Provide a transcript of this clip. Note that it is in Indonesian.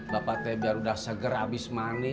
bapak teh biar udah seger abis mandi